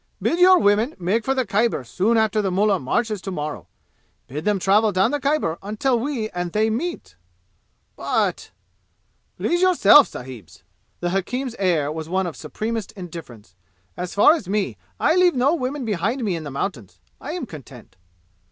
"Bid your women make for the Khyber soon after the mullah marches tomorrow. Bid them travel down the Khyber until we and they meet!" "But " "Please yourselves, sahibs!" The hakim's air was one of supremest indifference. "As for me, I leave no women behind me in the mountains. I am content."